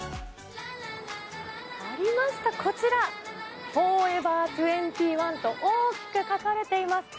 ありました、こちら、フォーエバー２１と、大きく書かれています。